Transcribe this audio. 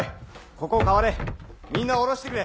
ここ代われみんな下ろしてくれ。